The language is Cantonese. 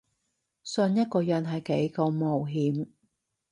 信一個人係幾咁冒險